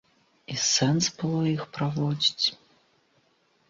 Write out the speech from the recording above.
І сэнс было іх праводзіць?